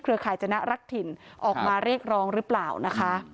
ขยจนะรักถิ่นออกมาเรียกร้องหรือเปล่านะคะ